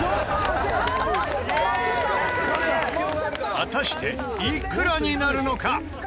果たしていくらになるのか？